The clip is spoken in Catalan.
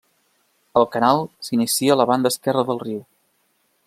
El canal s'inicia a la banda esquerra del riu.